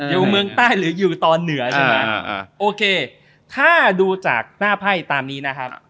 อยู่เมืองใต้หรืออยู่ตอนเหนือใช่ไหมโอเคถ้าดูจากหน้าไพ่ตามนี้นะครับ